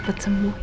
ibu mau mogok